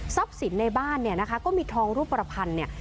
สินในบ้านเนี่ยนะคะก็มีทองรูปประพันธ์เนี่ย